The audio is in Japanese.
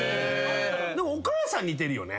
でもお母さん似てるよね。